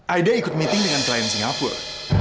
aida ikut meeting dengan klien singapura